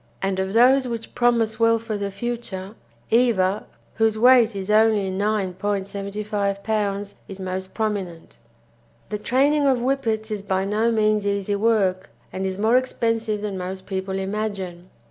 and of those which promise well for the future, Eva, whose weight is only 9 3/4 lbs., is most prominent. The training of Whippets is by no means easy work, and is more expensive than most people imagine.